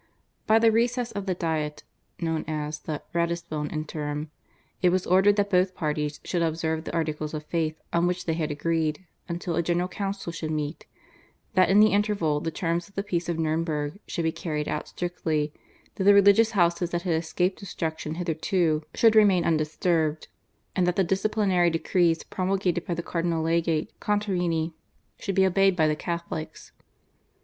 By the Recess of the Diet (known as the /Ratisbon Interim/) it was ordered that both parties should observe the articles of faith on which they had agreed until a General Council should meet, that in the interval the terms of the Peace of Nurnberg should be carried out strictly, that the religious houses that had escaped destruction hitherto should remain undisturbed, and that the disciplinary decrees promulgated by the cardinal legate (Contarini) should be obeyed by the Catholics.